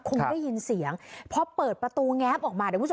คงได้ยินเสียงเพราะเปิดประตูงานออกมา